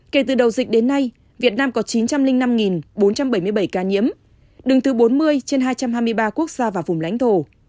kể từ đầu dịch đến nay việt nam có chín trăm linh năm bốn trăm bảy mươi bảy ca nhiễm đứng thứ bốn mươi trên hai trăm hai mươi ba quốc gia và vùng lãnh thổ